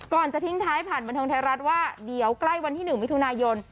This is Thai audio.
จะทิ้งท้ายผ่านบันเทิงไทยรัฐว่าเดี๋ยวใกล้วันที่๑มิถุนายน